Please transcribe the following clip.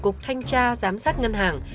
cục thanh tra giám sát ngân hàng